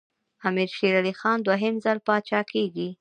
امیر شېر علي خان دوهم ځل پاچا کېږي.